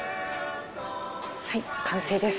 はい完成です。